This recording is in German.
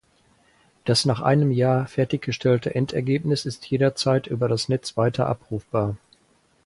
Das nach einem Jahr fertiggestellte Endergebnis ist jederzeit über das Netz weiter abrufbar.